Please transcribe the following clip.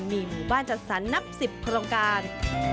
มีหมู่บ้านจัดสรรนับ๑๐โครงการ